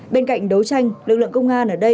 bên cạnh đấu tranh lực lượng công an ở đây cũng chủ đề